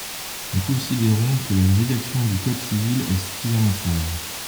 Nous considérons que la rédaction du code civil est suffisamment sage.